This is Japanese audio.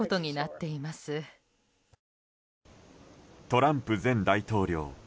トランプ前大統領。